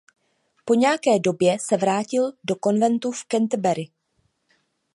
Po nějaké době se vrátil do konventu v Canterbury.